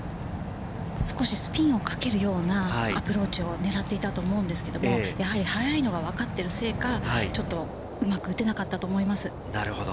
少しスピンをかけるようなアプローチを狙っていたと思うんですけれども、やはり速いのがわかっているせいか、ちょっとうまく打てなかったと思います。